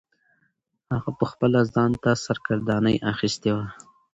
هغه پخپله ځان ته سرګرداني اخیستې وه.